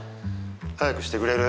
早くしてくれる？